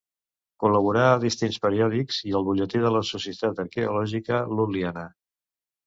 Col·laborà a distints periòdics i al Butlletí de la Societat Arqueològica Lul·liana.